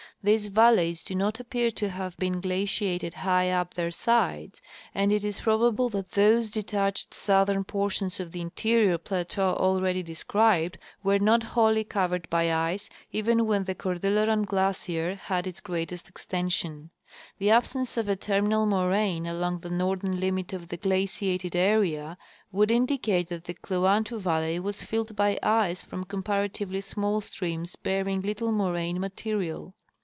These valleys do not appear to have been 22— Nat. Geog. Mag., vol. IV, 1892. 158 C. IV. Hayes — Expedition through tli.e Yukon District. glaciated high up their sides, and it is probable that those de tached southern portions of the interior plateau already de scribed were not wholly covered by ice, even Avhen the Cordil leran glacier had its greatest extension. The absence of a terminal moraine along the northern limit of the glaciated area would indicate that the Kluantu valley was filled by ice from comparatively small streams bearing little moraine material.